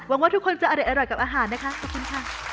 ว่าทุกคนจะอร่อยกับอาหารนะคะขอบคุณค่ะ